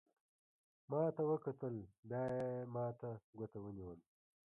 ما ته وکتل، بیا یې ما ته ګوته ونیول.